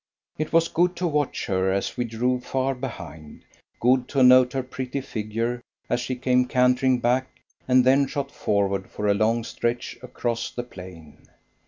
It was good to watch her as we drove far behind; good to note her pretty figure as she came cantering back and then shot forward for a long stretch across the plain.